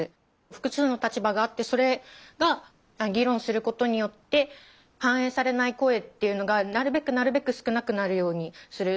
複数の立場があってそれが議論することによって反映されない声っていうのがなるべくなるべく少なくなるようにする。